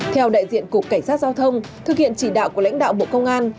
theo đại diện cục cảnh sát giao thông thực hiện chỉ đạo của lãnh đạo bộ công an